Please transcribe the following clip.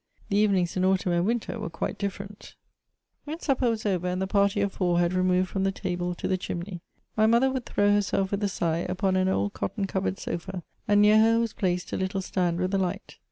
The evenings in autumn and winter were quite different. CHATEAUBRIAND. 123 When supper was oyer, and the party of four had removed from the tahle to the chimney^ my mother would throw ^ herself, with a sigh, upon an old cotton covered sofa, and near her was placed a little stand with a light.